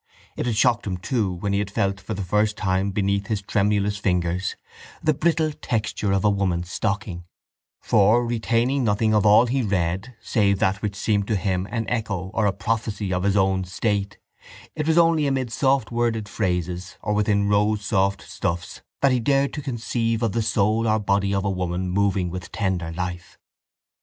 It had shocked him, too, when he had felt for the first time beneath his tremulous fingers the brittle texture of a woman's stocking for, retaining nothing of all he read save that which seemed to him an echo or a prophecy of his own state, it was only amid softworded phrases or within rosesoft stuffs that he dared to conceive of the soul or body of a woman moving with tender life.